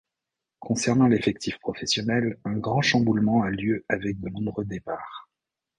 Concernant l'effectif professionnel, un grand chamboulement a lieu avec de nombreux départs.